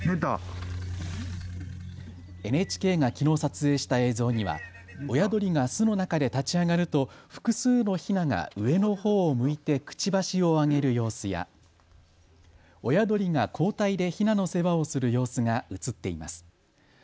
ＮＨＫがきのう撮影した映像には親鳥が巣の中で立ち上がると複数のヒナが上のほうを向いてくちばしを上げる様子や親鳥が交代でヒナの世話をする様子が映っています。